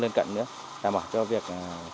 lên cận nữa đảm bảo cho việc